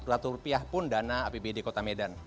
rp dua ratus pun dana apbd kota medan